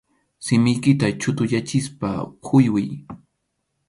Simiykita chʼutuyachispa huywiy.